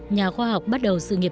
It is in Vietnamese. nhà khoa học bắt đầu sự nghiệp